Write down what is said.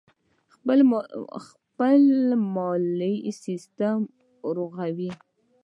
خپل مالي سیستم ورغوي.